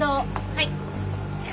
はい。